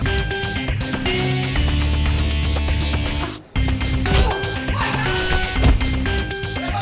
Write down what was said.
tidak ada apa apa